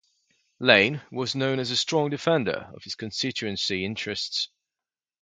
Lane was known as a strong defender of his constituency interests.